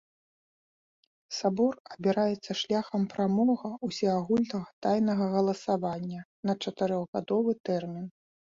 Сабор абіраецца шляхам прамога ўсеагульнага тайнага галасавання на чатырохгадовы тэрмін.